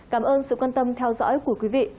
cảm ơn sự quan tâm theo dõi của quý vị